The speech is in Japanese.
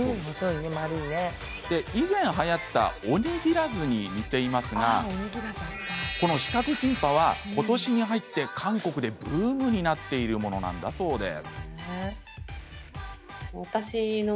以前はやった「おにぎらず」に似ていますがこの四角キンパはことしに入って韓国でブームになっているものなんだそうです。